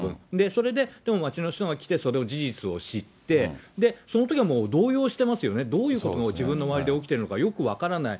それで町の人が来て、それを、事実を知って、そのときはもう動揺してますよね、どういうことが自分の周りで起きてるのかよく分からない。